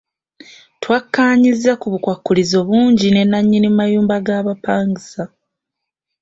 Twakkaanyizza ku bukwakkulizo bungi ne nannyini mayumba g'abapangisa.